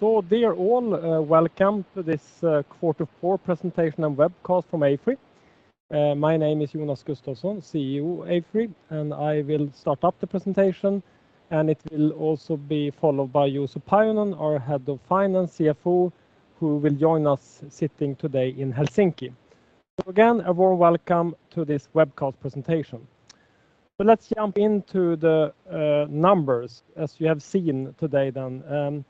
Dear all, welcome to this quarter four presentation and webcast from AFRY. My name is Jonas Gustavsson, CEO, AFRY, and I will start up the presentation, and it will also be followed by Juuso Pajunen, our head of finance, CFO, who will join us sitting today in Helsinki. Again, a warm welcome to this webcast presentation. Let's jump into the numbers. As you have seen today then,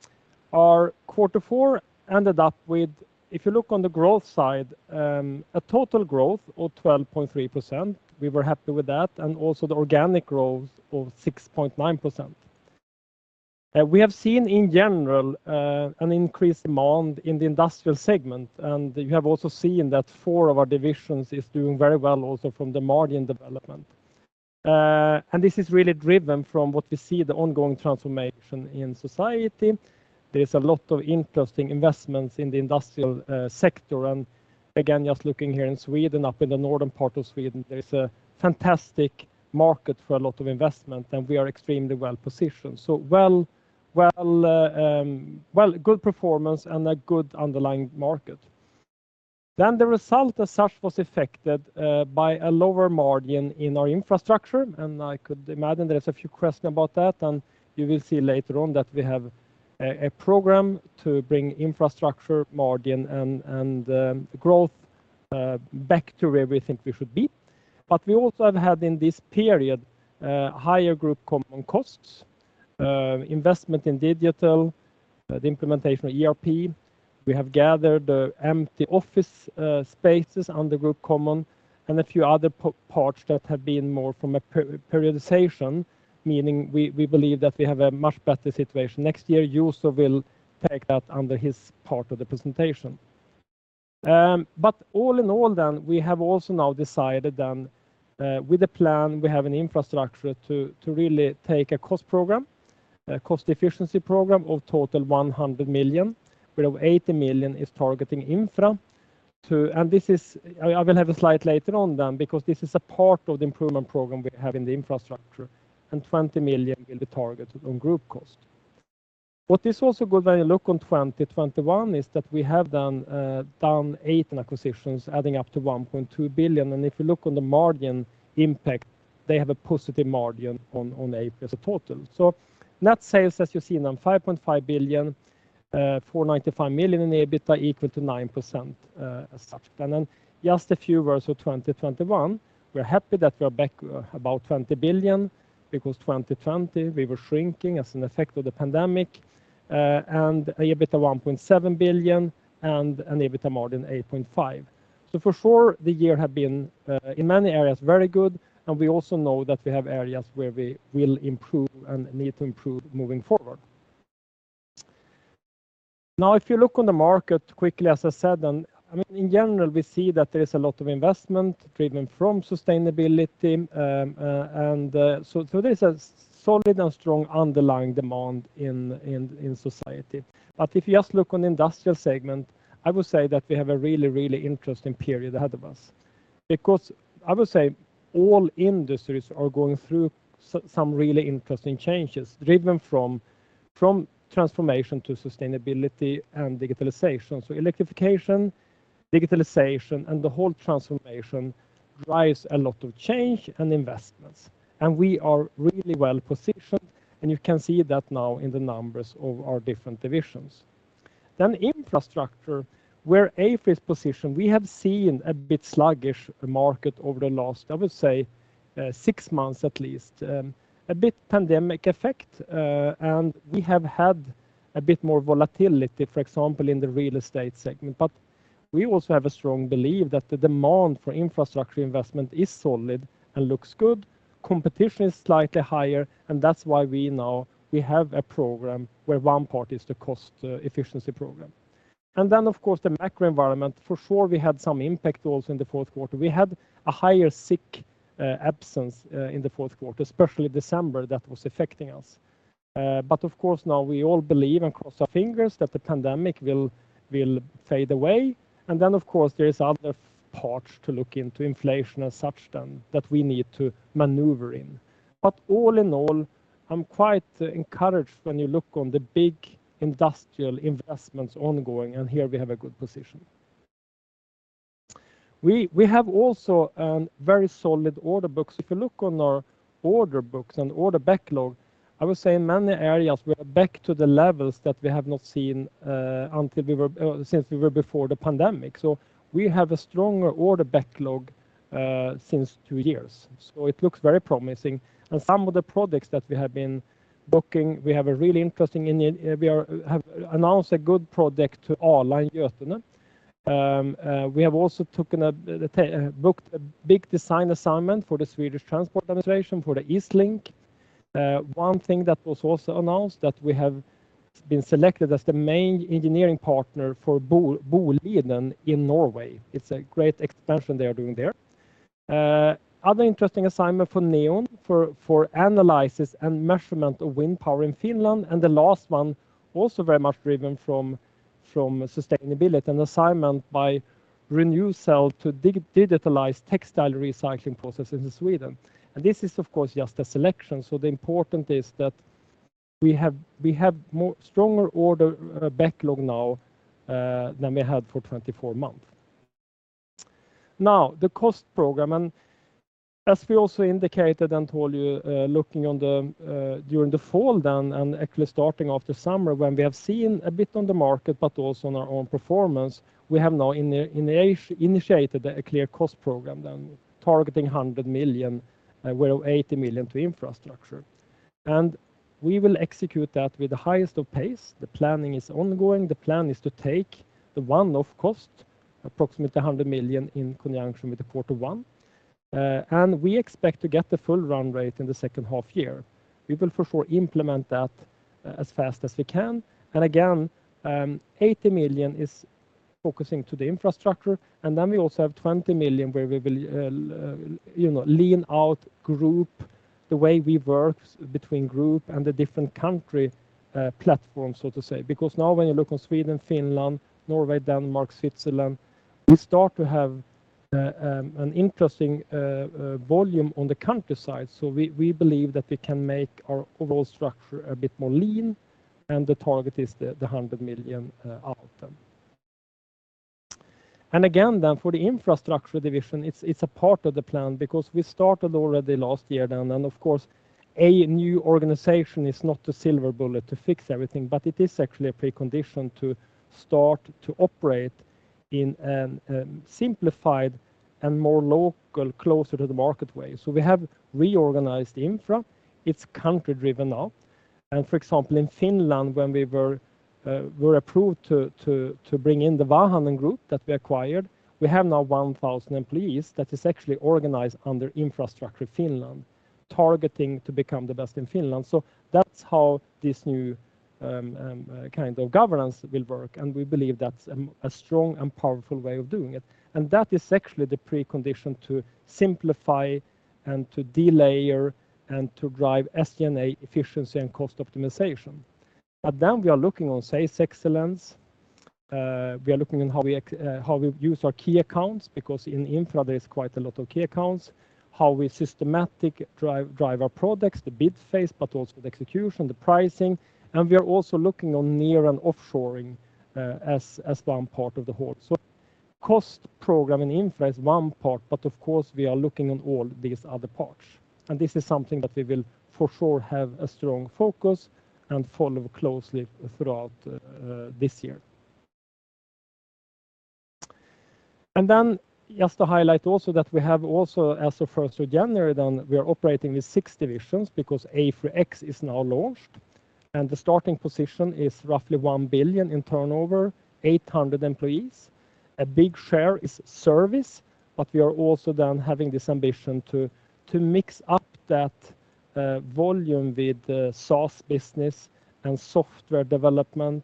our quarter four ended up with, if you look on the growth side, a total growth of 12.3%, we were happy with that, and also the organic growth of 6.9%. We have seen in general an increased demand in the industrial segment, and you have also seen that four of our divisions is doing very well also from the margin development. This is really driven from what we see the ongoing transformation in society. There is a lot of interesting investments in the industrial sector, and again, just looking here in Sweden, up in the northern part of Sweden, there is a fantastic market for a lot of investment, and we are extremely well-positioned. Well, good performance and a good underlying market. The result as such was affected by a lower margin in our infrastructure, and I could imagine there is a few question about that, and you will see later on that we have a program to bring infrastructure margin and growth back to where we think we should be. We also have had in this period higher Group Common costs, investment in digital, the implementation of ERP. We have gathered empty office spaces on the Group Common and a few other parts that have been more from a periodization, meaning we believe that we have a much better situation. Next year, Juuso will take that under his part of the presentation. All in all then, we have also now decided then with the plan, we have an infrastructure to really take a cost program, a cost efficiency program of total 100 million, whereof 80 million is targeting infra too. This is a part of the improvement program we have in the infrastructure, and 20 million will be targeted on group cost. What is also good when you look on 2021 is that we have then done 18 acquisitions adding up to 1.2 billion, and if you look on the margin impact, they have a positive margin on AFRY as a total. Net sales, as you've seen, on 5.5 billion, 495 million in EBITDA equal to 9%, as such. Then just a few words for 2021. We're happy that we are back about 20 billion because 2020 we were shrinking as an effect of the pandemic, and EBITDA 1.7 billion and an EBITDA margin 8.5%. For sure the year have been in many areas very good, and we also know that we have areas where we will improve and need to improve moving forward. Now, if you look on the market quickly, as I said, and I mean, in general, we see that there is a lot of investment driven from Sustainability, and there is a solid and strong underlying demand in society. If you just look on industrial segment, I would say that we have a really interesting period ahead of us because I would say all industries are going through some really interesting changes driven from Transformation to Sustainability and Digitalisation. Electrification, Digitalisation, and the whole transformation drives a lot of change and investments, and we are really well-positioned, and you can see that now in the numbers of our different divisions. Infrastructure, where AFRY is positioned, we have seen a bit sluggish market over the last, I would say, six months at least, a bit pandemic effect, and we have had a bit more volatility, for example, in the real estate segment. We also have a strong belief that the demand for infrastructure investment is solid and looks good. Competition is slightly higher, and that's why we now, we have a program where one part is the cost efficiency program. Of course, the macro environment, for sure we had some impact also in the fourth quarter. We had a higher sick absence in the fourth quarter, especially December, that was affecting us. Of course, now we all believe and cross our fingers that the pandemic will fade away. Of course, there is other parts to look into, inflation and such then, that we need to maneuver in. All in all, I'm quite encouraged when you look on the big industrial investments ongoing, and here we have a good position. We have also very solid order books. If you look on our order books and order backlog, I would say in many areas we are back to the levels that we have not seen since we were before the pandemic. We have a stronger order backlog since two years, so it looks very promising. Some of the products that we have been booking, we have announced a good project to Arla in Götene. We have also booked a big design assignment for the Swedish Transport Administration for the Ostlänken. One thing that was also announced that we have been selected as the main engineering partner for Boliden in Norway. It's a great expansion they are doing there. Other interesting assignment for Neoen for analysis and measurement of wind power in Finland. The last one, also very much driven from Sustainability, an assignment by Renewcell to digitalize textile recycling process into Sweden. This is of course just a selection, so the important is that we have more stronger order backlog now than we had for 24-month. Now, the cost program, and as we also indicated and told you, looking at the market during the fall then and actually starting after summer when we have seen a bit on the market, but also on our own performance, we have now initiated a clear cost program then targeting 100 million, well, 80 million to infrastructure. We will execute that with the highest pace. The planning is ongoing. The plan is to take the one-off cost, approximately 100 million in conjunction with quarter one. We expect to get the full run rate in the second half year. We will for sure implement that as fast as we can. Eighty million is focusing to the infrastructure. We also have 20 million where we will, you know, lean out group, the way we work between group and the different country platforms, so to say. Because now when you look on Sweden, Finland, Norway, Denmark, Switzerland, we start to have an interesting volume on the country side. We believe that we can make our overall structure a bit more lean, and the target is the 100 million out. For the Infrastructure Division, it's a part of the plan because we started already last year, and of course, a new organization is not the silver bullet to fix everything, but it is actually a precondition to start to operate in a simplified and more local, closer to the market way. We have reorganized infra. It's country-driven now. For example, in Finland, when we were approved to bring in the Vahanen Group that we acquired, we have now 1,000 employees that is actually organized under Infrastructure Finland, targeting to become the best in Finland. That's how this new kind of governance will work, and we believe that's a strong and powerful way of doing it. That is actually the precondition to simplify and to delayer and to drive SG&A efficiency and cost optimization. We are looking on sales excellence. We are looking on how we use our key accounts, because in infra, there is quite a lot of key accounts, how we systematically drive our products, the bid phase, but also the execution, the pricing. We are also looking on near and offshoring as one part of the whole. Cost program in infra is one part, but of course, we are looking on all these other parts. This is something that we will for sure have a strong focus and follow closely throughout this year. Then just to highlight that we have also, as of first of January then, we are operating with six divisions because AFRY X is now launched, and the starting position is roughly 1 billion in turnover, 800 employees. A big share is service, but we are also then having this ambition to mix up that volume with the SaaS business and software development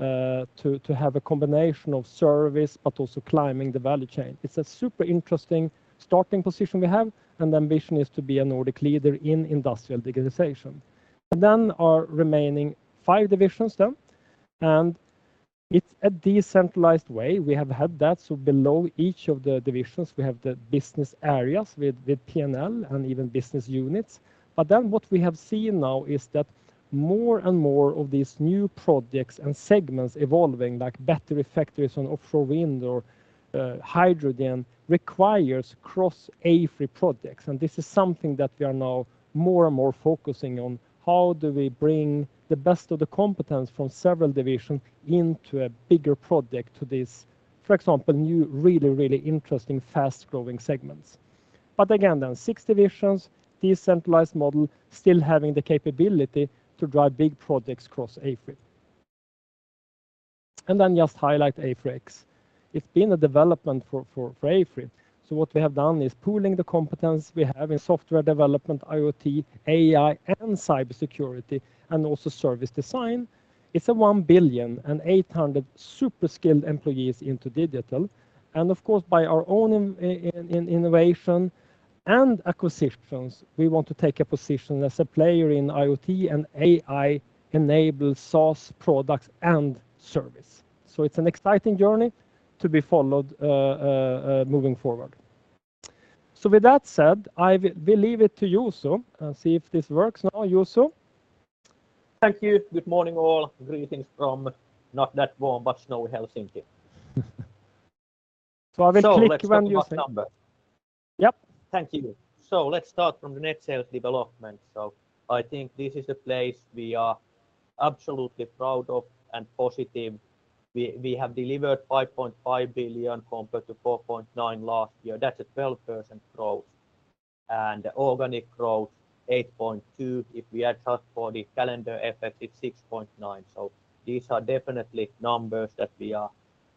to have a combination of service but also climbing the value chain. It's a super interesting starting position we have, and the ambition is to be a Nordic leader in industrial digitization. Then our remaining five divisions then, and it's a decentralized way. We have had that, so below each of the divisions, we have the business areas with P&L and even business units. Then what we have seen now is that more and more of these new projects and segments evolving, like battery factories and Offshore Wind or Hydrogen, requires cross AFRY projects. This is something that we are now more and more focusing on. How do we bring the best of the competence from several division into a bigger project to this, for example, new really, really interesting fast-growing segments? Again, then six divisions, decentralized model, still having the capability to drive big projects across AFRY. Then just highlight AFRY X. It's been a development for AFRY. What we have done is pooling the competence we have in software development, IoT, AI, and cybersecurity, and also service design. It's a 1.8 billion super skilled employees into digital. Of course, by our own innovation and acquisitions, we want to take a position as a player in IoT and AI-enabled SaaS Products and Service. It's an exciting journey to be followed moving forward. With that said, I will leave it to Juuso, and see if this works now, Juuso. Thank you. Good morning, all. Greetings from not that warm, but snowy Helsinki. I will click when you speak. Let's talk about numbers. Yep. Thank you. Let's start from the net sales development. I think this is a place we are absolutely proud of and positive. We have delivered 5.5 billion compared to 4.9 billion last year. That's a 12% growth. Organic growth, 8.2%. If we adjust for the calendar effect, it's 6.9%. These are definitely numbers that we are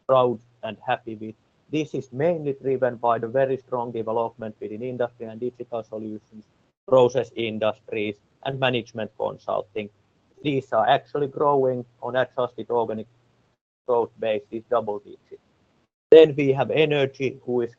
proud and happy with. This is mainly driven by the very strong development within Industrial & Digital Solutions, Process Industries, and Management Consulting. These are actually growing on Adjusted organic growth base, is double digits. We have Energy which is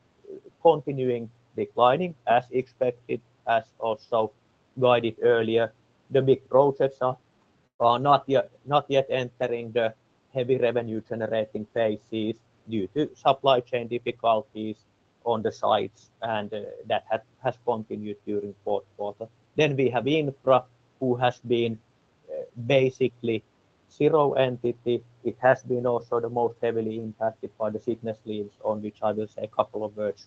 continuing declining as expected, as also guided earlier. The big projects are not yet entering the heavy revenue generating phases due to supply chain difficulties on the sites, and that has continued during fourth quarter. We have Infra, who has been basically zero entity. It has been also the most heavily impacted by the sickness leaves, on which I will say a couple of words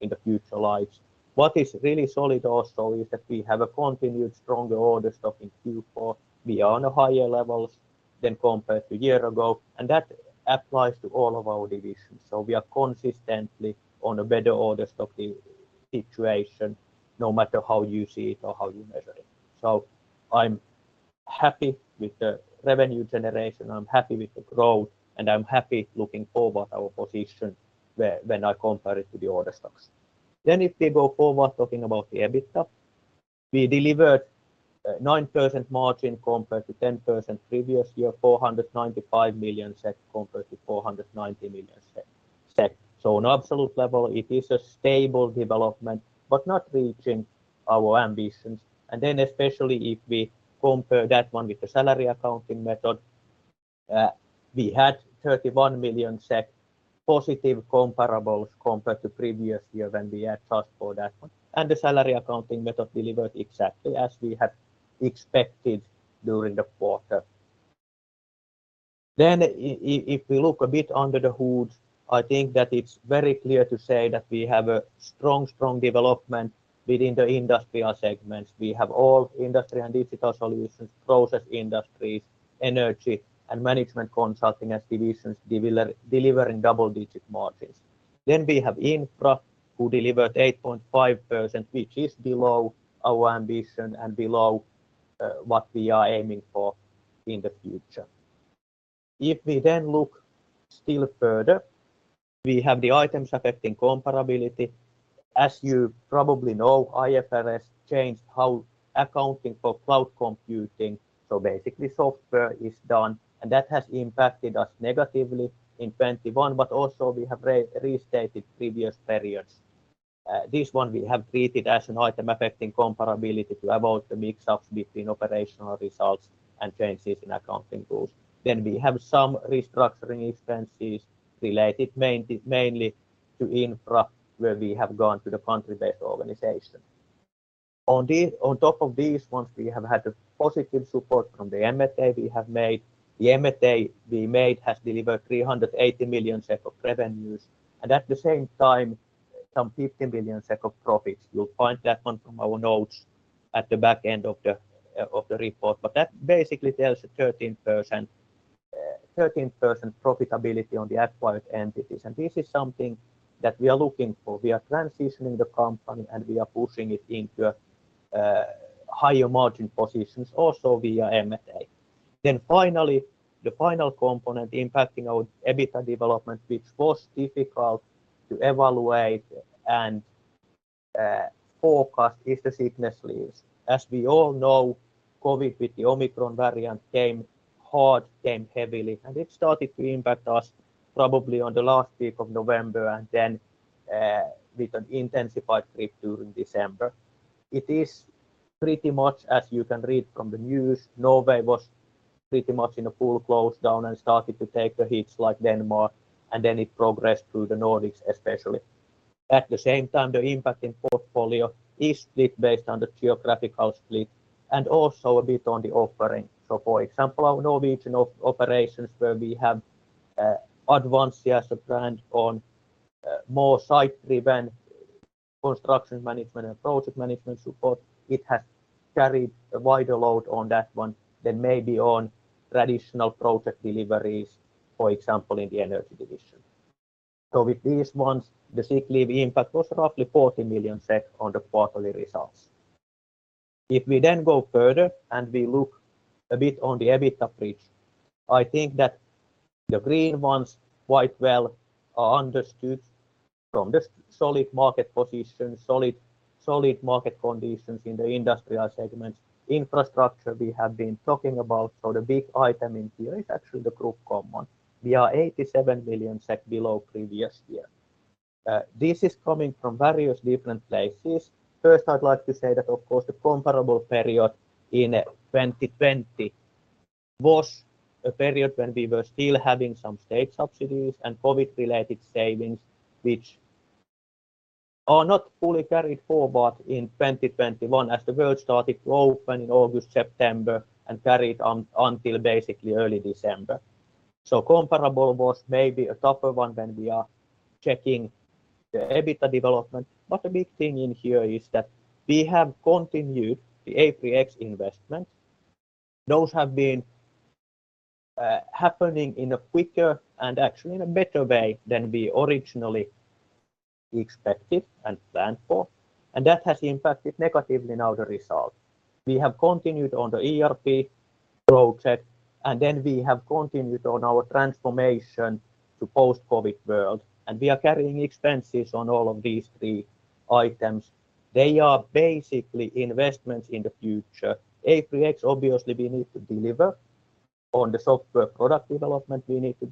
in the future slides. What is really solid also is that we have a continued stronger order stock in Q4. We are on a higher levels than compared to year ago, and that applies to all of our divisions. We are consistently on a better order stock situation no matter how you see it or how you measure it. I'm happy with the revenue generation, I'm happy with the growth, and I'm happy looking forward our position when I compare it to the order stocks. If we go forward talking about the EBITDA. We delivered 9% margin compared to 10% previous year, 495 million SEK compared to 490 million SEK. On absolute level, it is a stable development, but not reaching our ambitions. Especially if we compare that one with the calendar accounting method, we had 31 million positive comparables compared to previous year when we had charged for that one. The calendar accounting method delivered exactly as we had expected during the quarter. If we look a bit under the hood, I think that it's very clear to say that we have a strong development within the industrial segments. We have Industrial & Digital Solutions, Process Industries, Energy and Management Consulting as divisions delivering double-digit margins. We have Infra, which delivered 8.5%, which is below our ambition and below what we are aiming for in the future. If we then look still further, we have the items affecting comparability. As you probably know, IFRS changed how accounting for cloud computing, so basically software is done, and that has impacted us negatively in 2021, but also we have restated previous periods. This one we have treated as an item affecting comparability to avoid the mix-ups between operational results and changes in accounting rules. We have some restructuring expenses related mainly to Infra, where we have gone to the country-based organization. On top of these ones, we have had a positive support from the M&A we have made. The M&A we made has delivered 380 million SEK of revenues, and at the same time, some 50 million SEK of profits. You'll find that one from our notes at the back end of the report. That basically tells a 13% profitability on the acquired entities, and this is something that we are looking for. We are transitioning the company, and we are pushing it into a higher margin positions also via M&A. Finally, the final component impacting our EBITDA development, which was difficult to evaluate and forecast, is the sickness leaves. As we all know, COVID with the Omicron variant came hard, came heavily, and it started to impact us probably on the last week of November and then with an intensified grip during December. It is pretty much as you can read from the news. Norway was pretty much in a full lockdown and started to take the hits like Denmark, and then it progressed through the Nordics, especially. At the same time, the impact in portfolio is split based on the geographical split and also a bit on the offering. For example, our Norwegian operations where we have Advansia as a brand on more site-driven construction management and project management support, it has carried a wider load on that one than maybe on traditional project deliveries, for example, in the Energy Division. With these ones, the sick leave impact was roughly 40 million SEK on the quarterly results. If we then go further, and we look a bit on the EBITDA bridge, I think that the green ones quite well are understood from the solid market position, solid market conditions in the industrial segments. Infrastructure we have been talking about. The big item in here is actually the Group Common. We are 87 million SEK below previous year. This is coming from various different places. First, I'd like to say that of course the comparable period in 2020 was a period when we were still having some state subsidies and COVID-related savings, which are not fully carried forward in 2021 as the world started to open in August, September, and carried on until basically early December. Comparable was maybe a tougher one when we are checking the EBITDA development. The big thing in here is that we have continued the AFRY X investment. Those have been happening in a quicker and actually in a better way than we originally expected and planned for, and that has impacted negatively now the result. We have continued on the ERP project, and then we have continued on our transformation to post-COVID world, and we are carrying expenses on all of these three items. They are basically investments in the future. AFRY X, obviously we need to deliver on the software product development, we need to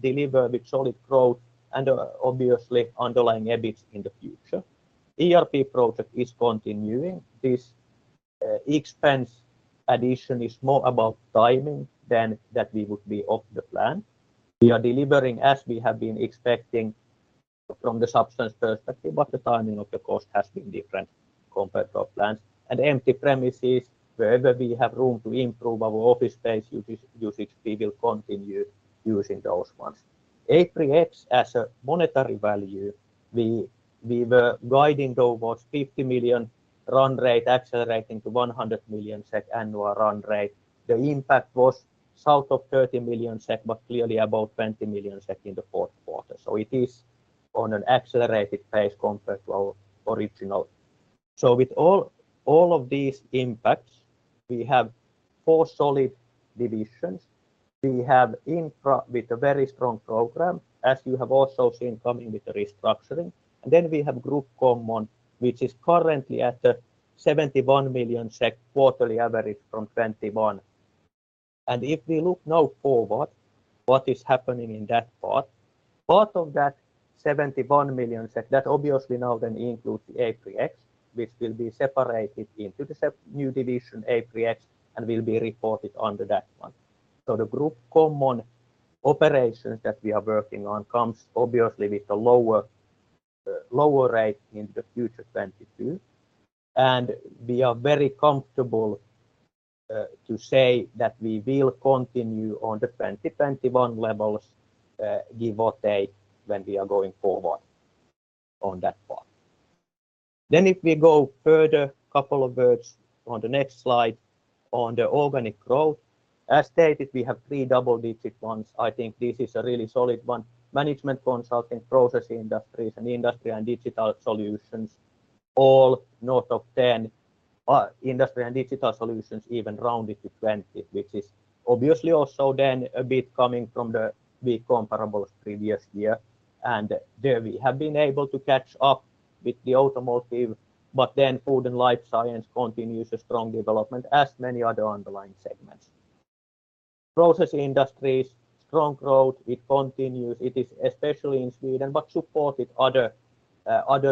deliver with solid growth and, obviously underlying EBIT in the future. ERP project is continuing. This, expense addition is more about timing than that we would be off the plan. We are delivering as we have been expecting from the substance perspective, but the timing of the cost has been different compared to our plans. Empty premises, wherever we have room to improve our office space usage, we will continue using those ones. Approximately as a monetary value, we were guiding towards 50 million run rate, accelerating to 100 million SEK annual run rate. The impact was south of 30 million SEK, but clearly above 20 million SEK in the fourth quarter. It is on an accelerated pace compared to our original. With all of these impacts, we have four solid divisions. We have infra with a very strong program, as you have also seen coming with the restructuring. Then we have Group Common, which is currently at a 71 million SEK quarterly average from 2021. If we look now forward, what is happening in that part of that 71 million, that obviously now then includes the AFRY X, which will be separated into the new division AFRY X and will be reported under that one. The Group Common operations that we are working on come obviously with a lower rate into the future 2022. We are very comfortable to say that we will continue on the 2021 levels, give or take when we are going forward on that part. If we go further, a couple of words on the next slide on the organic growth. As stated, we have three double-digit ones. I think this is a really solid one. Management Consulting, Process Industries, and Industrial & Digital Solutions, all north of 10. Industrial & Digital Solutions even rounded to 20%, which is obviously also then a bit coming from the weak comparables previous year. There we have been able to catch up with the automotive, but then Food & Life Science continues a strong development as many other underlying segments. Process Industries, strong growth, it continues. It is especially in Sweden, but supported other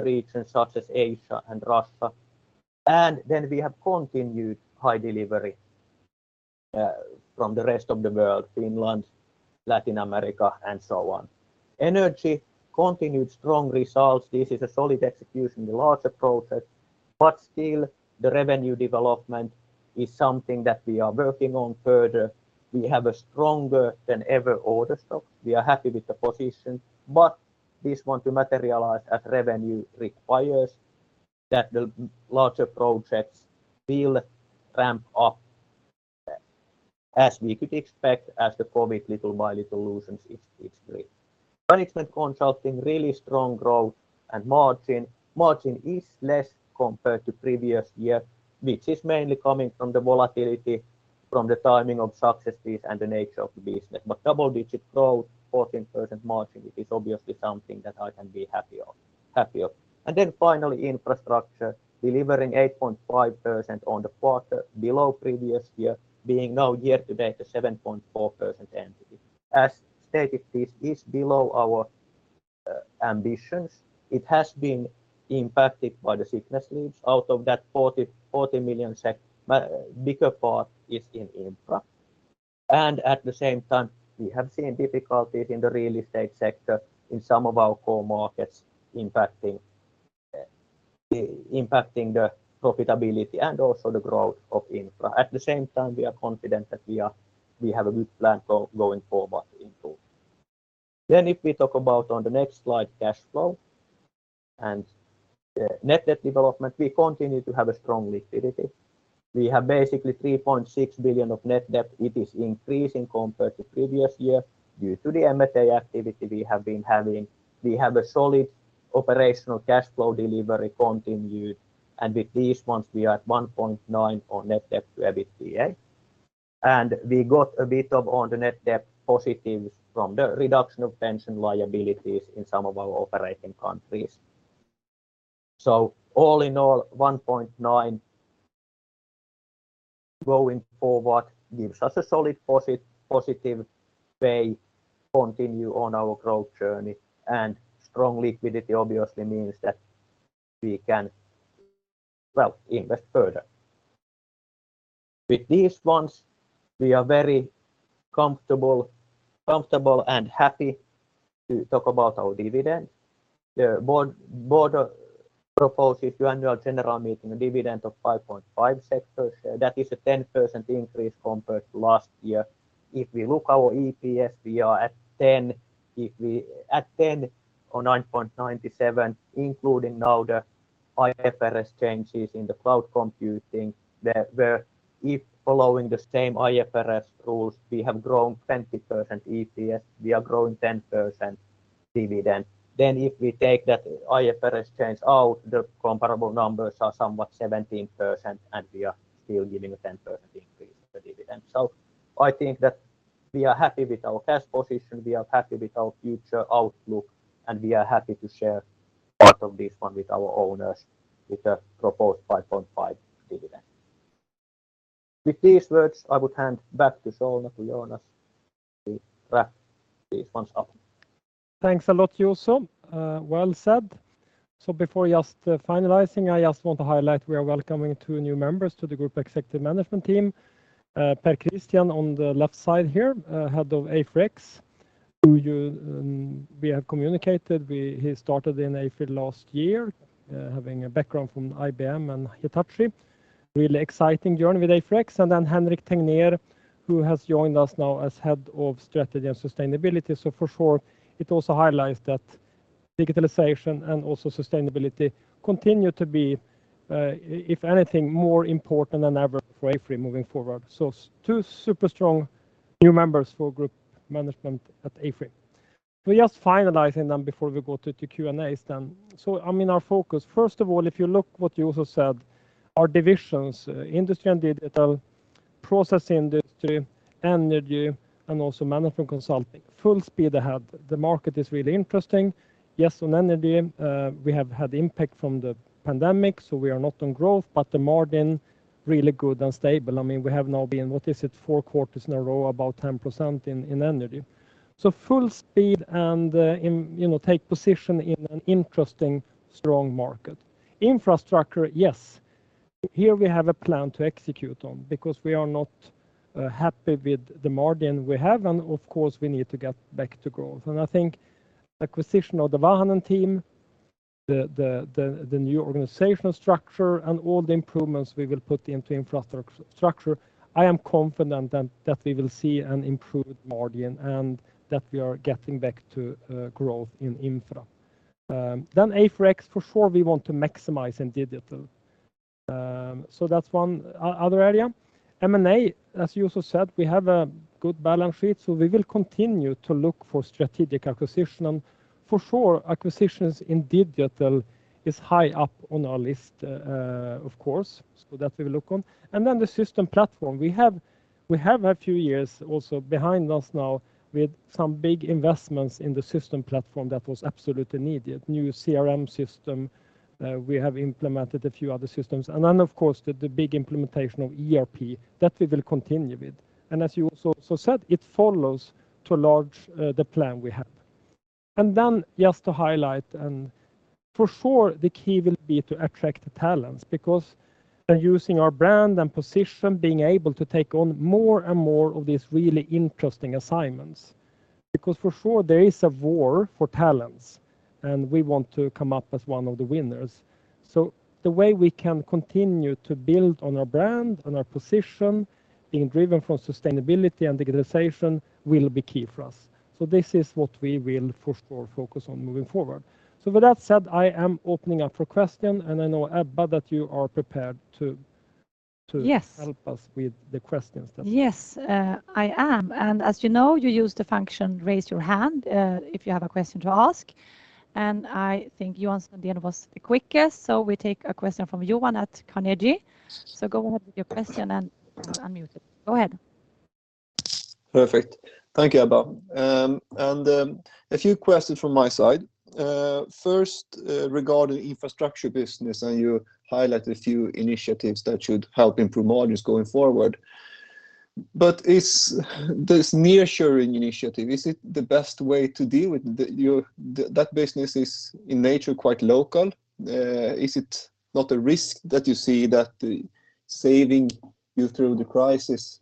regions such as Asia and Russia. Then we have continued high delivery, from the rest of the world, Finland, Latin America, and so on. Energy, continued strong results. This is a solid execution, the larger process. Still, the revenue development is something that we are working on further. We have a stronger than ever order stock. We are happy with the position, but this one to materialize as revenue requires that the larger projects will ramp up as we could expect as the COVID little by little loosens its grip. Management Consulting, really strong growth and margin. Margin is less compared to previous year, which is mainly coming from the volatility from the timing of success fees and the nature of the business. Double-digit growth, 14% margin is obviously something that I can be happy of. Finally, Infrastructure, delivering 8.5% on the quarter below previous year, being now year-to-date a 7.4% entity. As stated, this is below our ambitions. It has been impacted by the sickness leaves. Out of that 40 million SEK, bigger part is in infra. At the same time, we have seen difficulties in the real estate sector in some of our core markets impacting the profitability and also the growth of infra. At the same time, we are confident that we have a good plan going forward into. If we talk about, on the next slide, cash flow and net debt development, we continue to have a strong liquidity. We have basically 3.6 billion of net debt. It is increasing compared to previous year due to the M&A activity we have been having. We have a solid operational cash flow delivery continued, and with these ones we are at 1.9 on net debt to EBITDA. We got a bit of a net debt positive from the reduction of pension liabilities in some of our operating countries. All in all, 1.9% going forward gives us a solid positive way to continue on our growth journey. Strong liquidity obviously means that we can, well, invest further. With these ones, we are very comfortable and happy to talk about our dividend. The board proposes to the annual general meeting a dividend of 5.5 per share. That is a 10% increase compared to last year. If we look at our EPS, we are at 10%. At 10% or 9.97%, including now the IFRS changes in the cloud computing, if we're following the same IFRS rules, we have grown 20% EPS. We are growing 10% dividend. If we take that IFRS change out, the comparable numbers are somewhat 17%, and we are still giving a 10% increase to the dividend. I think that we are happy with our cash position, we are happy with our future outlook, and we are happy to share. Part of this one with our owners with a proposed 5.5 dividend. With these words, I would hand back to Jonas to wrap these ones up. Thanks a lot, Juuso. Well said. Before just finalizing, I just want to highlight we are welcoming two new members to the group executive management team. Per Kristian Egseth on the left side here, head of AFRY X, who we have communicated. He started in AFRY last year, having a background from IBM and Hitachi. Really exciting journey with AFRY X. Henrik Tegnér, who has joined us now as Head of Strategy and Sustainability. For sure it also highlights that digitalisation and also Sustainability continue to be, if anything, more important than ever for AFRY moving forward. Two super strong new members for group management at AFRY. We're just finalizing them before we go to Q&A then. I mean, our focus, first of all, if you look what Juuso said, our Divisions, Industrial & Digital, Process Industries, Energy, and also Management Consulting, full speed ahead. The market is really interesting. Yes, on Energy, we have had impact from the pandemic, so we are not on growth, but the margin really good and stable. I mean, we have now been, what is it, four quarters in a row, about 10% in Energy. Full speed and, you know, take position in an interesting strong market. Infrastructure, yes. Here we have a plan to execute on because we are not happy with the margin we have and of course we need to get back to growth. I think acquisition of the Vahanen team, the new organizational structure and all the improvements we will put into infrastructure. I am confident then that we will see an improved margin and that we are getting back to growth in infra. Then AFRY for sure we want to maximize in digital. So that's one other area. M&A, as Juuso said, we have a good balance sheet, so we will continue to look for strategic acquisition. For sure acquisitions in digital is high up on our list, of course, so that we'll look on. Then the system platform. We have a few years also behind us now with some big investments in the system platform that was absolutely needed. New CRM system, we have implemented a few other systems. Then of course the big implementation of ERP that we will continue with. As Juuso said, it follows the launch, the plan we have. Just to highlight, for sure the key will be to attract the talents because then using our brand and position, being able to take on more and more of these really interesting assignments. Because for sure there is a war for talents, and we want to come up as one of the winners. The way we can continue to build on our brand, on our position, being driven from Sustainability and digitalisation will be key for us. This is what we will for sure focus on moving forward. With that said, I am opening up for questions, and I know, Ebba, that you are prepared to- Yes To help us with the questions then. Yes. I am. As you know, you use the function raise your hand if you have a question to ask. I think Johan was the quickest, so we take a question from Johan at Carnegie. Go ahead with your question, and unmute it. Go ahead. Perfect. Thank you, Ebba. A few questions from my side. First, regarding infrastructure business, you highlighted a few initiatives that should help improve margins going forward. Is this nearshoring initiative the best way to deal with that business? That business is in nature quite local. Is it not a risk that you see that saving you through the crisis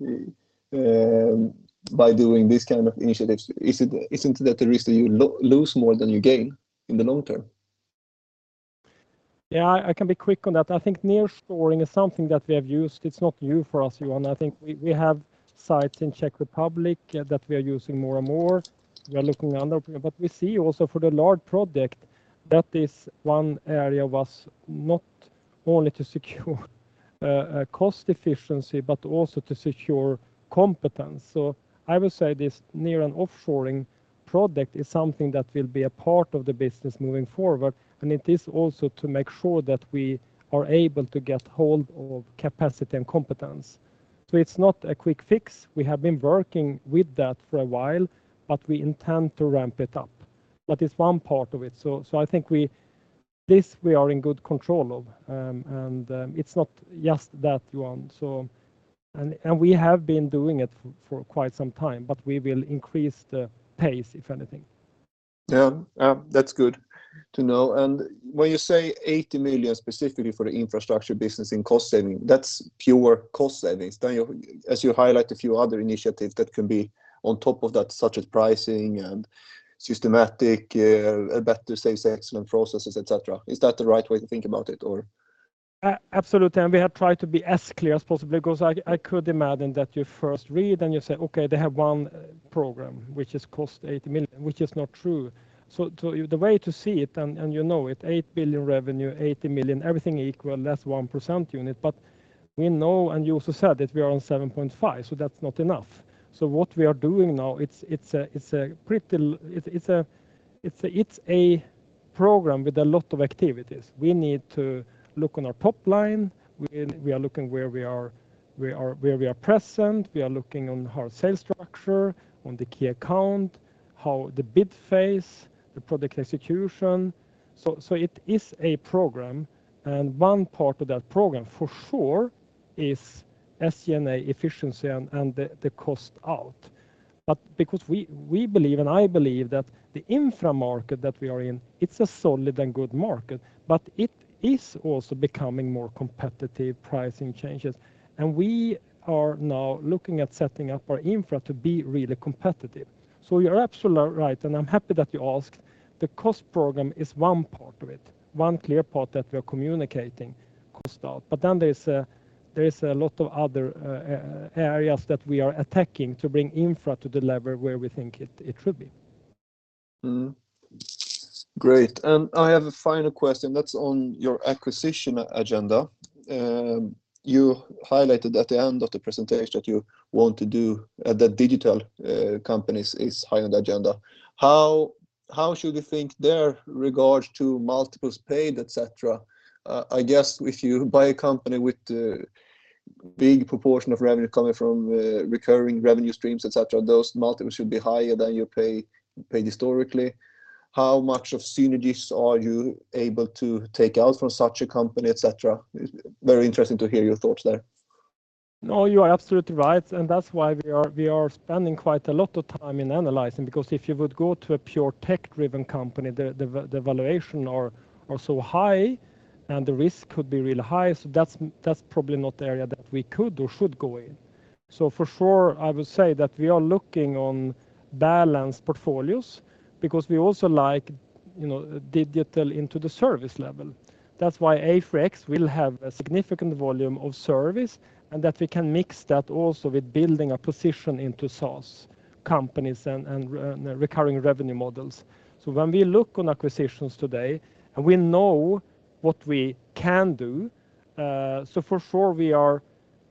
by doing this kind of initiatives? Isn't that a risk that you lose more than you gain in the long term? Yeah, I can be quick on that. I think nearshoring is something that we have used. It's not new for us, Johan. I think we have sites in Czech Republic that we are using more and more. We are looking at other, but we see also for the large project that this one area was not only to secure cost efficiency, but also to secure competence. I would say this near and offshoring project is something that will be a part of the business moving forward, and it is also to make sure that we are able to get hold of capacity and competence. It's not a quick fix. We have been working with that for a while, but we intend to ramp it up. It's one part of it. I think we are in good control of. It's not just that, Johan, so we have been doing it for quite some time, but we will increase the pace, if anything. Yeah. That's good to know. When you say 80 million specifically for the infrastructure business in cost savings, that's pure cost savings. You, as you highlight a few other initiatives that can be on top of that, such as pricing and systematic, better sales excellence processes, et cetera. Is that the right way to think about it or? Absolutely, we have tried to be as clear as possible because I could imagine that you first read and you say, "Okay, they have one program which has cost 80 million," which is not true. To you, the way to see it, and you know it, 8 billion revenue, 80 million, everything equal, that's 1%. We know, and you also said, that we are on 7.5%, so that's not enough. What we are doing now, it's a program with a lot of activities. We need to look on our top line. We are looking where we are present. We are looking on our sales structure, on the key accounts. How the bid phase, the product execution. It is a program, and one part of that program for four is SCNA efficiency and the cost out. Because we believe, and I believe that the infra market that we are in, it's a solid and good market, but it is also becoming more competitive pricing changes, and we are now looking at setting up our infra to be really competitive. You're absolutely right, and I'm happy that you asked. The cost program is one part of it, one clear part that we are communicating cost out. Then there's a lot of other areas that we are attacking to bring infra to the level where we think it should be. Great. I have a final question that's on your acquisition agenda. You highlighted at the end of the presentation that you want to do that digital companies is high on the agenda. How should we think there regards to multiples paid, et cetera? I guess if you buy a company with a big proportion of revenue coming from recurring revenue streams, et cetera, those multiples should be higher than you pay historically. How much of synergies are you able to take out from such a company, et cetera? Very interesting to hear your thoughts there. No, you are absolutely right, and that's why we are spending quite a lot of time in analyzing, because if you would go to a pure tech-driven company, the valuations are so high, and the risk could be really high. That's probably not the area that we could or should go in. For sure, I would say that we are looking on balanced portfolios because we also like, you know, digital into the service level. That's why AFRY X will have a significant volume of service and that we can mix that also with building a position into SaaS companies and recurring revenue models. When we look at acquisitions today, and we know what we can do, so for sure we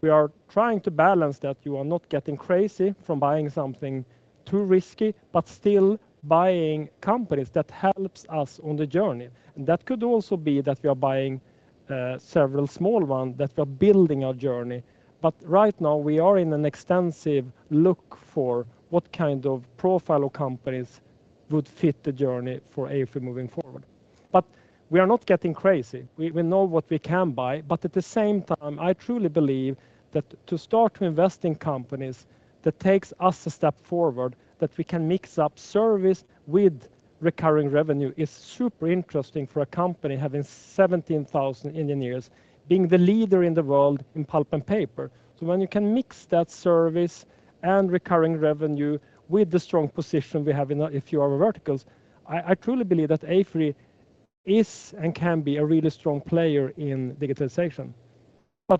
are trying to balance that you are not getting crazy from buying something too risky, but still buying companies that helps us on the journey. That could also be that we are buying several small one, that we're building our journey. Right now we are in an extensive look for what kind of profile of companies would fit the journey for AFRY moving forward. We are not getting crazy. We know what we can buy, but at the same time, I truly believe that to start to invest in companies that takes us a step forward, that we can mix up service with recurring revenue is super interesting for a company having 17,000 engineers being the leader in the world in Pulp & Paper. When you can mix that service and recurring revenue with the strong position we have in a few other verticals, I truly believe that AFRY is and can be a really strong player in digitalisation.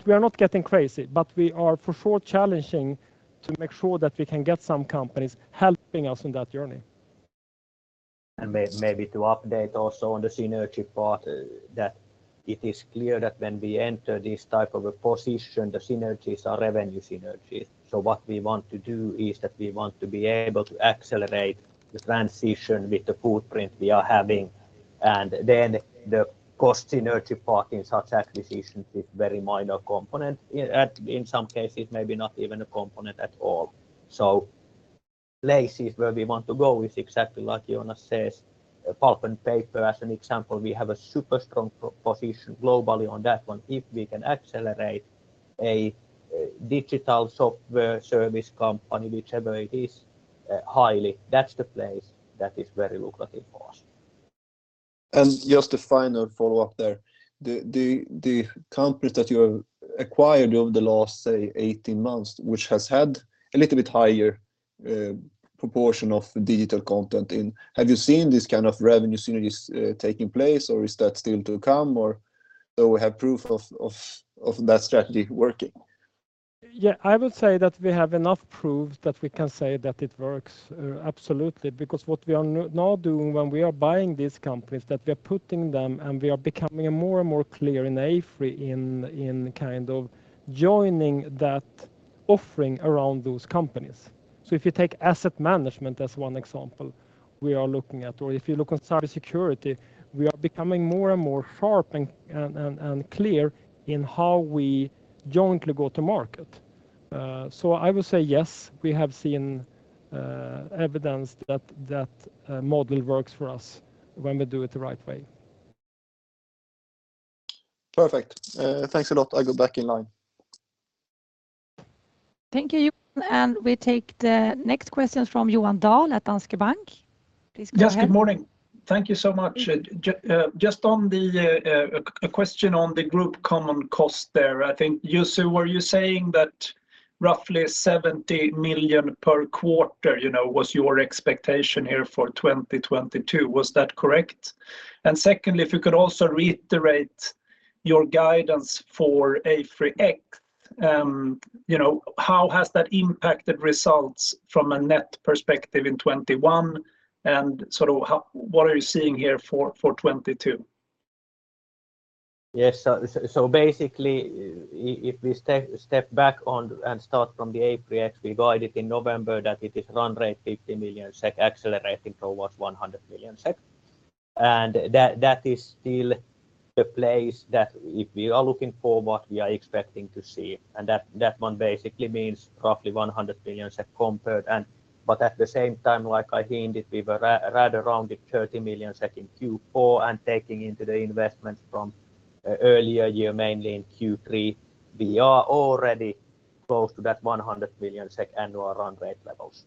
We are not getting crazy. We are for sure challenging to make sure that we can get some companies helping us on that journey. Maybe to update also on the synergy part, that it is clear that when we enter this type of a position, the synergies are revenue synergies. What we want to do is that we want to be able to accelerate the transition with the footprint we are having, and then the cost synergy part in such acquisitions is very minor component. In some cases, maybe not even a component at all. Places where we want to go is exactly like Jonas says, Pulp & Paper as an example. We have a super strong position globally on that one. If we can accelerate a digital software service company, whichever it is, highly, that's the place that is very lucrative for us. Just a final follow-up there. The companies that you have acquired over the last, say, 18 months, which has had a little bit higher proportion of digital content in, have you seen this kind of revenue synergies taking place, or is that still to come? Or do we have proof of that strategy working? Yeah, I would say that we have enough proof that we can say that it works, absolutely. Because what we are now doing when we are buying these companies, that we are putting them, and we are becoming more and more clear in AFRY in kind of joining that offering around those companies. If you take asset management as one example we are looking at, or if you look at cybersecurity, we are becoming more and more sharp and clear in how we jointly go to market. I would say yes, we have seen evidence that that model works for us when we do it the right way. Perfect. Thanks a lot. I go back in line. Thank you. We take the next question from Johan Dahl at Danske Bank. Please go ahead. Yes, good morning. Thank you so much. Just on the question on the Group Common cost there, I think, Juuso Pajunen, were you saying that roughly 70 million per quarter was your expectation here for 2022? Was that correct? And secondly, if you could also reiterate your guidance for AFRY X, you know, how has that impacted results from a net perspective in 2021? And sort of what are you seeing here for 2022? Yes. So basically if we step back and start from the AFRY X, we guided in November that it is run rate 50 million SEK accelerating towards 100 million SEK. That is still the place that if we are looking forward, we are expecting to see. That one basically means roughly 100 million SEK compared. But at the same time, like I hinted, we were at around 30 million SEK in Q4 and taking into the investment from earlier year, mainly in Q3, we are already close to that 100 million SEK annual run rate levels.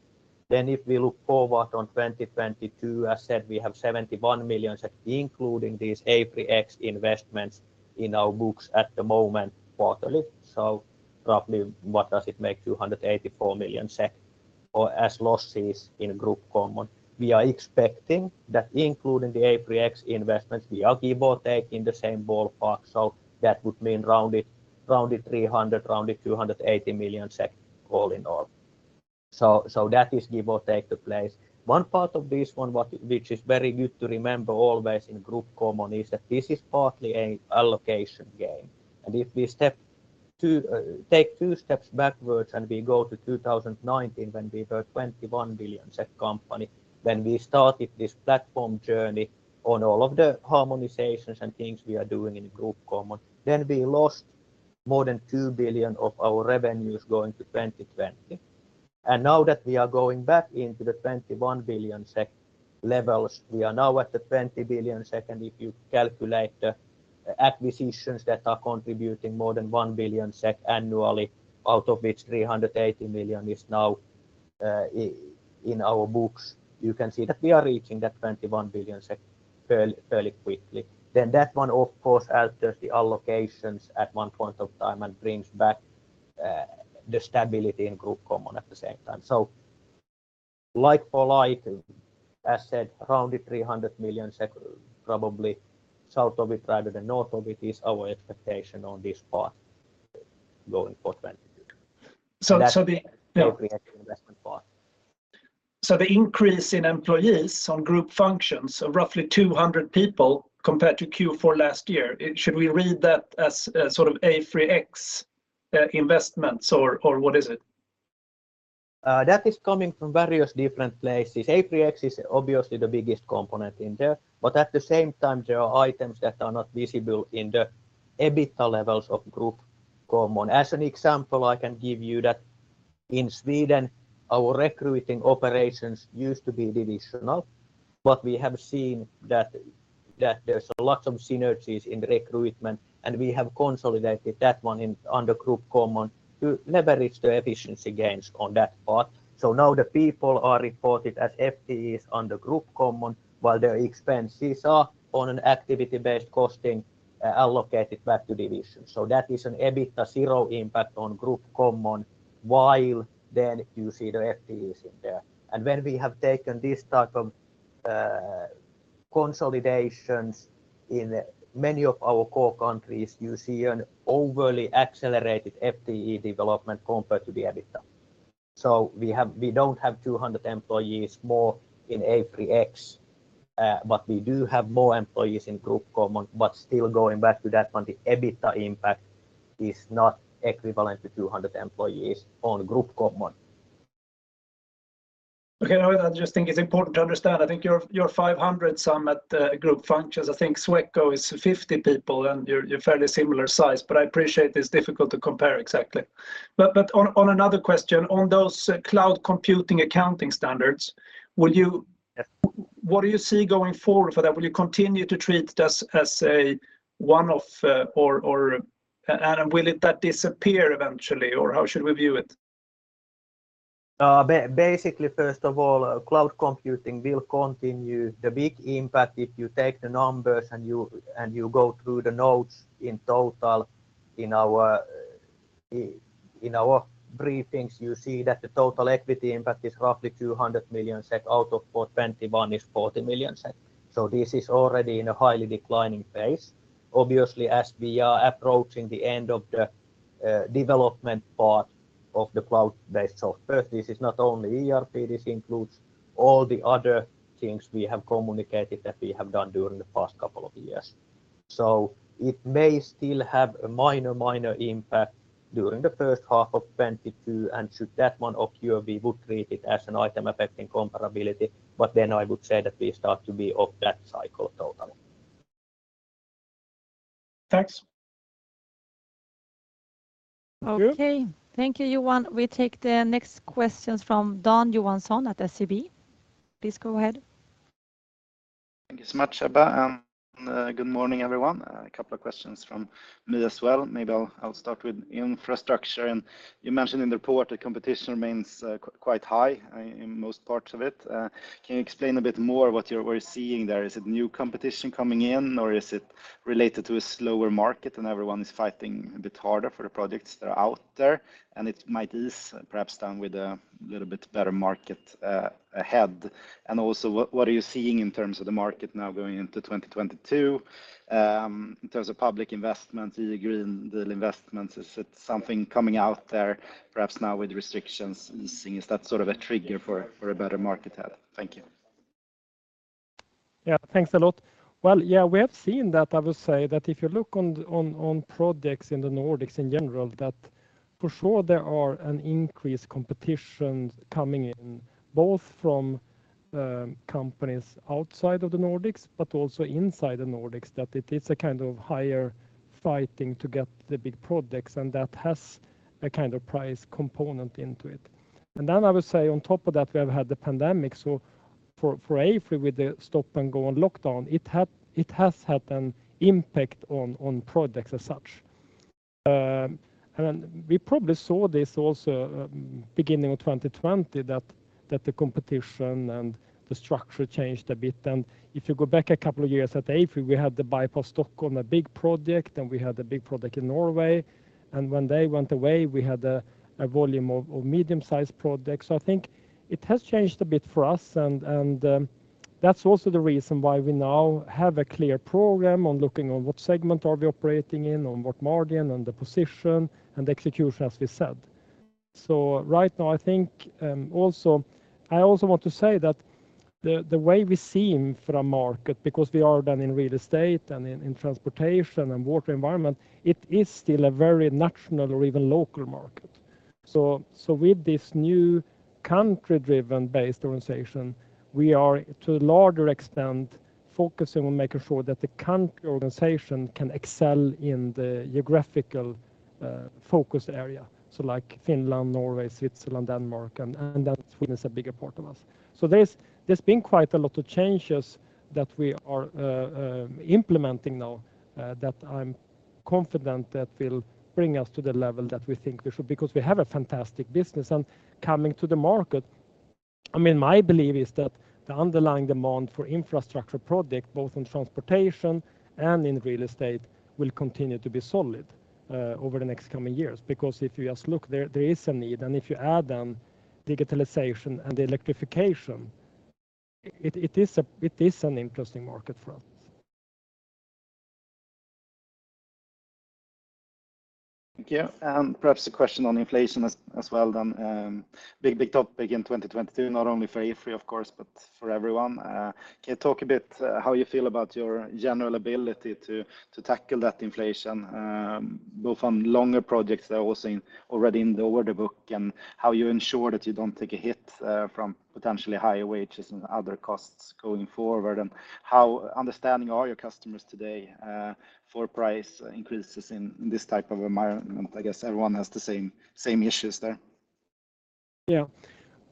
If we look forward on 2022, as said, we have 71 million, including these AFRY X investments in our books at the moment quarterly. Roughly what does it make? 284 million SEK or so as losses in Group Common. We are expecting that including the AFRY X investments, we are give or take in the same ballpark. That would mean rounded 300, rounded 280 million all in all. That is give or take the place. One part of this which is very good to remember always in Group Common is that this is partly an allocation game. If we take two steps backwards, and we go to 2019 when we were 21 billion company, when we started this platform journey on all of the harmonizations and things we are doing in Group Common, then we lost more than 2 billion of our revenues going to 2020. Now that we are going back into the 21 billion SEK levels, we are now at the 20 billion SEK. If you calculate the acquisitions that are contributing more than 1 billion SEK annually, out of which 380 million is now in our books, you can see that we are reaching that 21 billion SEK fairly quickly. That one of course alters the allocations at one point of time and brings back the stability in Group Common at the same time. Like for like, as said, around the 300 million SEK probably south of it rather than north of it is our expectation on this path going for 2022. So, so the- That's the AFRY X investment part. The increase in employees on group functions of roughly 200 people compared to Q4 last year. Should we read that as sort of AFRY X investments or what is it? That is coming from various different places. AFRY is obviously the biggest component in there, but at the same time, there are items that are not visible in the EBITDA levels of Group Common. As an example, I can give you that in Sweden, our recruiting operations used to be divisional, but we have seen that there's lots of synergies in recruitment, and we have consolidated that one in under Group Common to leverage the efficiency gains on that part. Now the people are reported as FTEs under Group Common while their expenses are on an activity-based costing allocated back to division. That is an EBITDA zero impact on Group Common while then you see the FTEs in there. When we have taken this type of consolidations in many of our core countries, you see an overly accelerated FTE development compared to the EBITDA. We don't have 200 employees more in AFRY X, but we do have more employees in Group Common. Still going back to that one, the EBITDA impact is not equivalent to 200 employees on Group Common. Okay. No, I just think it's important to understand. I think your 500-some at group functions. I think Sweco is 50 people, and you're fairly similar size, but I appreciate it's difficult to compare exactly. On another question, on those cloud computing accounting standards, will you- Yes. What do you see going forward for that? Will you continue to treat this as a one-off, or and will it that disappear eventually, or how should we view it? Basically, first of all, cloud computing will continue. The big impact, if you take the numbers and you go through the notes in total in our briefings, you see that the total equity impact is roughly 200 million SEK out of 421 is 40 million SEK. This is already in a highly declining phase. Obviously, as we are approaching the end of the development part of the cloud-based software, this is not only ERP, this includes all the other things we have communicated that we have done during the past couple of years. It may still have a minor impact during the first half of 2022, and should that one occur, we would treat it as an item affecting comparability. I would say that we start to be off that cycle totally. Thanks. Thank you. Okay. Thank you, Johan. We take the next questions from Dan Johansson at SEB. Please go ahead. Thank you so much, Ebba, and good morning, everyone. A couple of questions from me as well. Maybe I'll start with infrastructure. You mentioned in the report that competition remains quite high in most parts of it. Can you explain a bit more what you're seeing there? Is it new competition coming in, or is it related to a slower market and everyone is fighting a bit harder for the projects that are out there, and it might ease perhaps down with a little bit better market ahead? Also what are you seeing in terms of the market now going into 2022 in terms of public investment, the green deal investments? Is it something coming out there perhaps now with restrictions easing? Is that sort of a trigger for a better market ahead? Thank you. Yeah. Thanks a lot. Well, yeah, we have seen that, I would say that if you look on projects in the Nordics in general, that, for sure there are an increased competition coming in both from companies outside of the Nordics, but also inside the Nordics, that it is a kind of higher fighting to get the big projects, and that has a kind of price component into it. Then I would say on top of that, we have had the pandemic. For AFRY with the stop and go on lockdown, it has had an impact on projects as such. Then we probably saw this also beginning of 2020 that the competition and the structure changed a bit. If you go back a couple of years at AFRY, we had Bypass Stockholm, a big project, and we had a big project in Norway. When they went away, we had a volume of medium-sized projects. I think it has changed a bit for us, and that's also the reason why we now have a clear program on looking at what segment we are operating in, on what margin, and the position and execution, as we said. Right now, I think I also want to say that the way we see the market, because we are strong in real estate and in Transportation and Water environment, it is still a very national or even local market. With this new country-driven organization, we are to a larger extent focusing on making sure that the country organization can excel in the geographical focus area, like Finland, Norway, Switzerland, Denmark, and that Sweden is a bigger part of us. There's been quite a lot of changes that we are implementing now that I'm confident will bring us to the level that we think we should, because we have a fantastic business. Coming to the market, I mean, my belief is that the underlying demand for infrastructure project, both in transportation and in real estate, will continue to be solid over the next coming years. Because if you just look, there is a need. If you add then digitalisation and the electrification, it is an interesting market for us. Thank you. Perhaps a question on inflation as well then. Big topic in 2022, not only for AFRY, of course, but for everyone. Can you talk a bit how you feel about your general ability to tackle that inflation, both on longer projects that are already in the order book, and how you ensure that you don't take a hit from potentially higher wages and other costs going forward? How understanding are your customers today for price increases in this type of environment? I guess everyone has the same issues there. Yeah.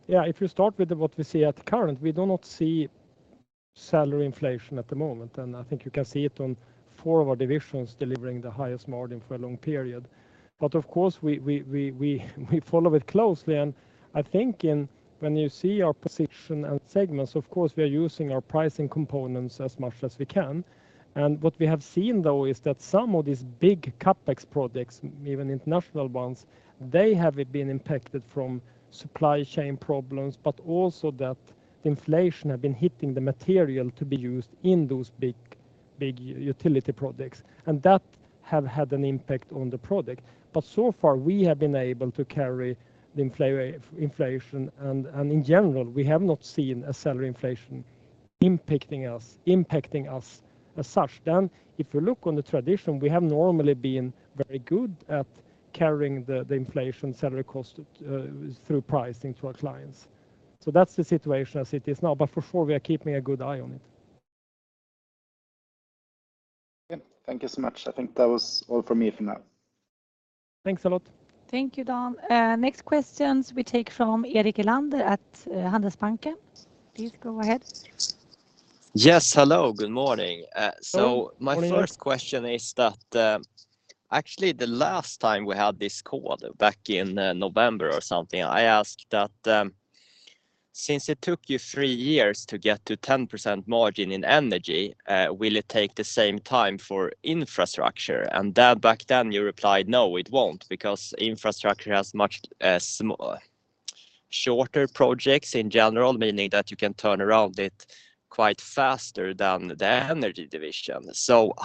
Yeah, if you start with what we see at current, we do not see salary inflation at the moment, and I think you can see it on four of our divisions delivering the highest margin for a long period. Of course, we follow it closely. I think when you see our position and segments, of course, we are using our pricing components as much as we can. What we have seen, though, is that some of these big CapEx projects, even international ones, they have been impacted from supply chain problems, but also that inflation have been hitting the material to be used in those big utility projects. That have had an impact on the project. So far, we have been able to carry the inflation and in general, we have not seen a salary inflation impacting us as such. If you look on the tradition, we have normally been very good at carrying the inflation salary cost through pricing to our clients. That's the situation as it is now. For sure, we are keeping a good eye on it. Yeah. Thank you so much. I think that was all for me for now. Thanks a lot. Thank you, Dan. Next questions we take from Erik Elander at Handelsbanken. Please go ahead. Yes. Hello, good morning. Morning My first question is that, actually, the last time we had this call back in November or something, I asked that, since it took you three years to get to 10% margin in Energy, will it take the same time for Infrastructure? And then back then you replied, "No, it won't," because Infrastructure has much shorter projects in general, meaning that you can turn around it quite faster than the Energy division.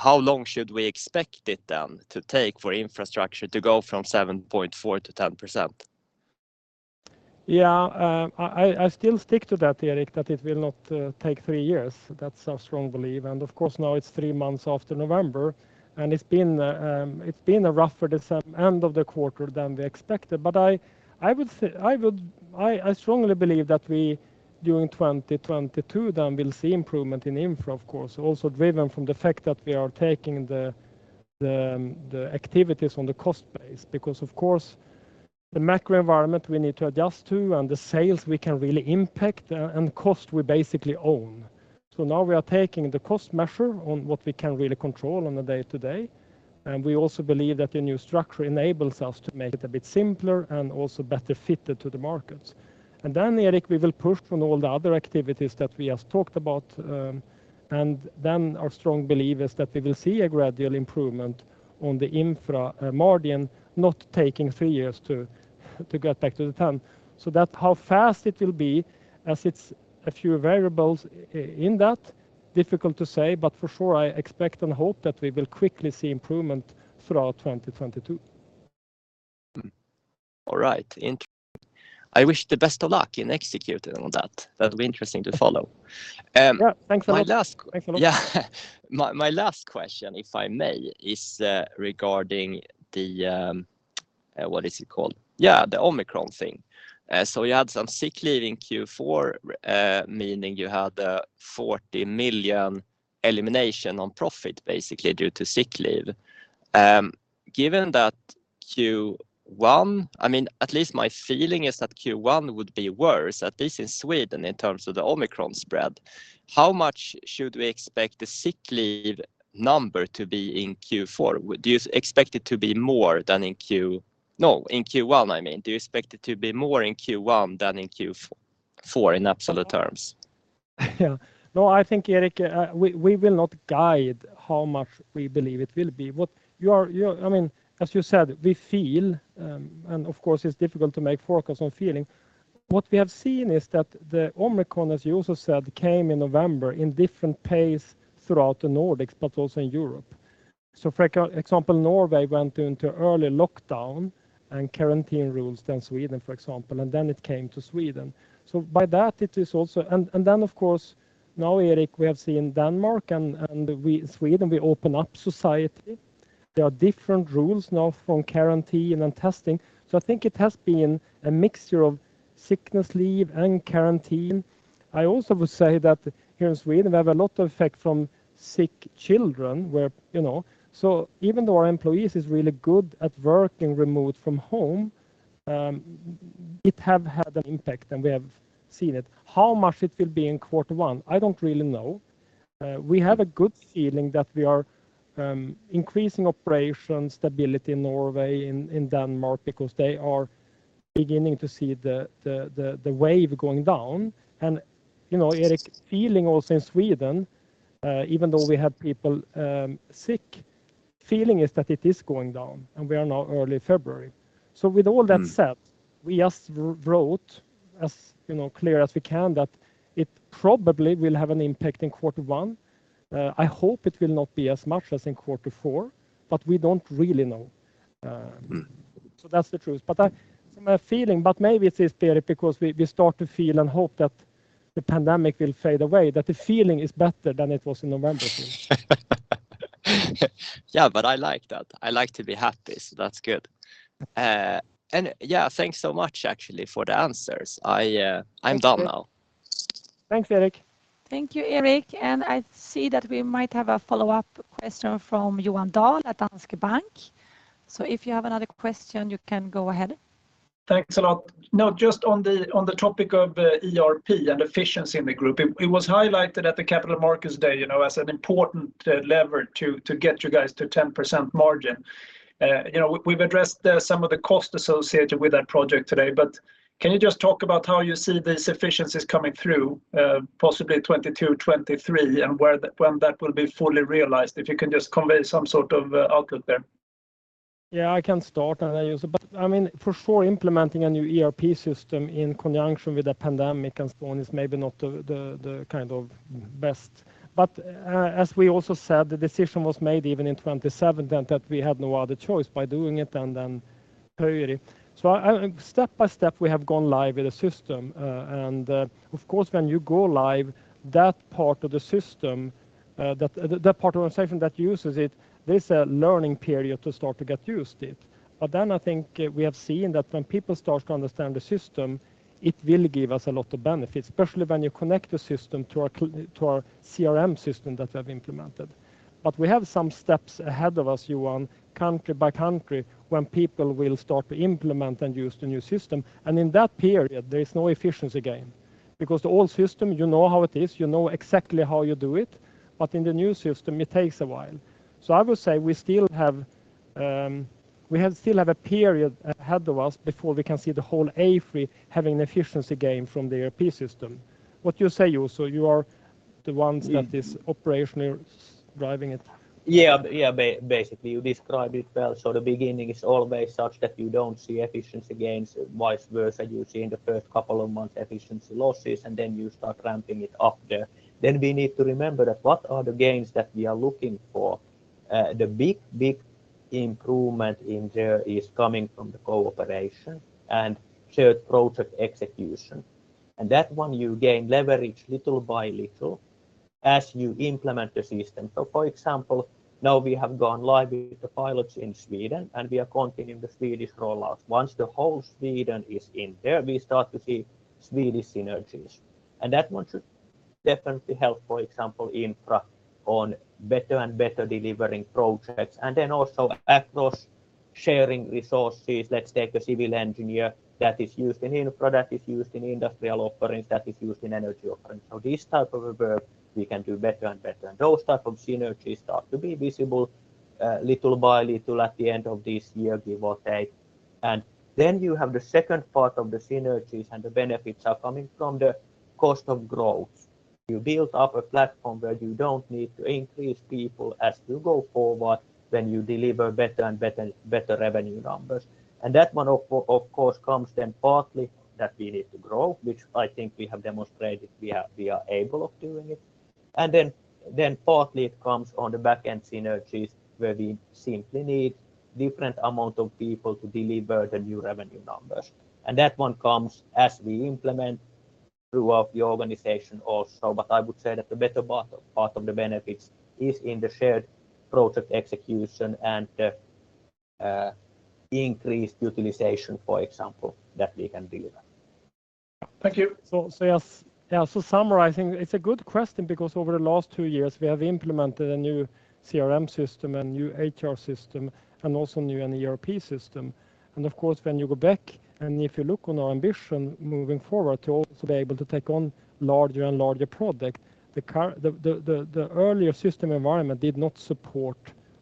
How long should we expect it then to take for Infrastructure to go from 7.4% to 10%? Yeah. I still stick to that, Erik, that it will not take three years. That's our strong belief. Of course, now it's three months after November, and it's been a rougher end of the quarter than we expected. I strongly believe that we, during 2022 then, will see improvement in infra, of course, also driven from the fact that we are taking the activities on the cost base. Of course, the macro environment we need to adjust to, and the sales we can really impact, and cost, we basically own. Now we are taking the cost measure on what we can really control on a day to day, and we also believe that the new structure enables us to make it a bit simpler and also better fitted to the markets. And then, Erik, we will push on all the other activities that we just talked about, and then our strong belief is that we will see a gradual improvement on the infra margin not taking three years to get back to the 10%. That, how fast it will be, as it's a few variables in that, difficult to say, but for sure I expect and hope that we will quickly see improvement throughout 2022. All right. I wish the best of luck in executing on that. That'll be interesting to follow. Yeah. Thanks a lot. My last- Thanks a lot. Yeah. My last question, if I may, is regarding what is it called? Yeah, the Omicron thing. So you had some sick leave in Q4, meaning you had a 40 million elimination on profit basically due to sick leave. Given that Q1, I mean, at least my feeling is that Q1 would be worse, at least in Sweden in terms of the Omicron spread. How much should we expect the sick leave number to be in Q1? Do you expect it to be more in Q1 than in Q4 in absolute terms? Yeah. No, I think, Erik, we will not guide how much we believe it will be. What you are I mean, as you said, we feel, and of course it's difficult to make forecast on feeling. What we have seen is that the Omicron, as you also said, came in November in different pace throughout the Nordics but also in Europe. For example, Norway went into earlier lockdown and quarantine rules than Sweden, for example, and then it came to Sweden. By that it is also then of course now, Erik, we have seen Denmark and Sweden open up society. There are different rules now from quarantine and testing. I think it has been a mixture of sickness leave and quarantine. I also would say that here in Sweden we have a lot of effect from sick children where, you know, even though our employees is really good at working remote from home, it have had an impact, and we have seen it. How much it will be in quarter one, I don't really know. We have a good feeling that we are increasing operation stability in Norway, in Denmark because they are beginning to see the wave going down. You know, Erik, feeling also in Sweden, even though we have people sick, feeling is that it is going down, and we are now early February. With all that said, we just wrote, as you know, clear as we can that it probably will have an impact in quarter one. I hope it will not be as much as in quarter four, but we don't really know. So, that's the truth. I have a feeling, but maybe it is, Erik, because we start to feel and hope that the pandemic will fade away, that the feeling is better than it was in November. Yeah, I like that. I like to be happy, so that's good. Yeah, thanks so much actually for the answers. I'm done now. Thanks, Erik. Thank you, Erik. I see that we might have a follow-up question from Johan Dahl at Danske Bank. If you have another question, you can go ahead. Thanks a lot. Now, just on the topic of ERP and efficiency in the group, it was highlighted at the Capital Markets Day, you know, as an important lever to get you guys to 10% margin. You know, we've addressed some of the cost associated with that project today, but can you just talk about how you see these efficiencies coming through, possibly 2022, 2023, and when that will be fully realized? If you can just convey some sort of outlook there. Yeah, I can start on that, Juuso. I mean, for sure implementing a new ERP system in conjunction with the pandemic and so on is maybe not the kind of best. As we also said, the decision was made even in 2017 that we had no other choice by doing it and then period. Step by step we have gone live with the system. Of course, when you go live, that part of the system, that part of organization that uses it, there's a learning period to start to get used to it. Then I think we have seen that when people start to understand the system, it will give us a lot of benefit, especially when you connect the system to our CRM system that we have implemented. We have some steps ahead of us, Johan, country by country, when people will start to implement and use the new system. In that period, there is no efficiency gain because the old system, you know how it is, you know exactly how you do it, but in the new system it takes a while. I would say we still have a period ahead of us before we can see the whole AFRY having an efficiency gain from the ERP system. What you say, Juuso? You are the ones that is operationally driving it. Yeah. Yeah, basically. You describe it well. The beginning is always such that you don't see efficiency gains. Vice versa, you see in the first couple of months efficiency losses, and then you start ramping it up there. We need to remember that what are the gains that we are looking for? The big improvement in there is coming from the cooperation and shared project execution. That one you gain leverage little by little as you implement the system. For example, now we have gone live with the pilots in Sweden, and we are continuing the Swedish rollout. Once the whole Sweden is in there, we start to see Swedish synergies. That one should definitely help, for example, Infra on better and better delivering projects and then also across sharing resources. Let's take a civil engineer that is used in end product, is used in industrial offerings, that is used in energy offerings. This type of a work we can do better and better. Those type of synergies start to be visible, little by little at the end of this year, give or take. Then you have the second part of the synergies and the benefits are coming from the cost of growth. You build up a platform where you don't need to increase people as you go forward when you deliver better and better revenue numbers. That one of course, comes then partly that we need to grow, which I think we have demonstrated we are able of doing it. Then partly it comes on the backend synergies where we simply need different amount of people to deliver the new revenue numbers, and that one comes as we implement throughout the organization also. I would say that the better part of the benefits is in the shared project execution and the increased utilization, for example, that we can deliver. Thank you. Yes. Yeah, summarizing, it's a good question because over the last two years we have implemented a new CRM system, a new HR system, and also a new ERP system. Of course, when you go back and if you look on our ambition moving forward to also be able to take on larger and larger project, the earlier system environment did not support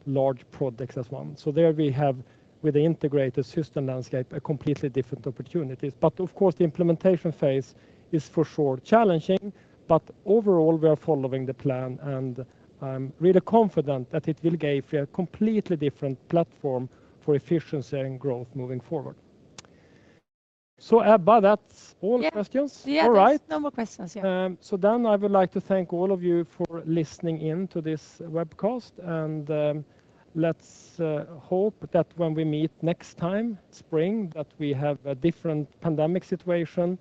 large projects as one. There we have with the integrated system landscape a completely different opportunities. Of course, the implementation phase is for sure challenging, but overall we are following the plan, and I'm really confident that it will give a completely different platform for efficiency and growth moving forward. Ebba, that's all questions? Yeah. All right. Yeah, there's no more questions. Yeah. I would like to thank all of you for listening in to this webcast. Let's hope that when we meet next time, spring, that we have a different pandemic situation,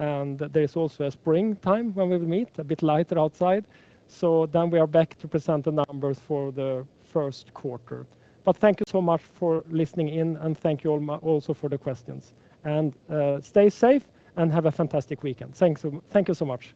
and there is also a springtime when we will meet, a bit lighter outside. We are back to present the numbers for the first quarter. Thank you so much for listening in, and thank you all also for the questions. Stay safe and have a fantastic weekend. Thank you so much.